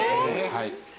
はい。